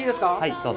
どうぞ。